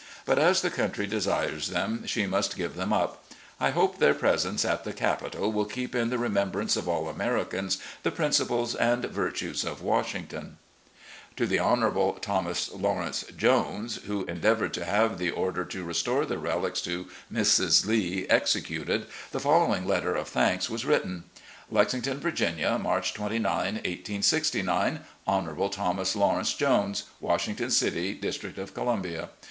But as the country desires them, she must give them up. I hope their presence at the capital will keep 338 RECX)LLECTIONS OF GENERAL LEE in the remembrance of all Americans the principles and virtues of Washington. .. To the Honourable Thomas Lawrence Jones, who endeavoured to have the order to restore the relics to Mrs. Lee executed, the following letter of thanks was written: "Lexington, Virginia, March 29, 1869. "Honourable Thomas Lawrence Jones, "Washington City, District of Columbia.